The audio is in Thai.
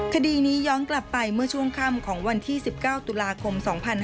คดีนี้ย้อนกลับไปเมื่อช่วงค่ำของวันที่๑๙ตุลาคม๒๕๕๙